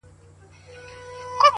د تمرکز ځواک هدف روښانه ساتي!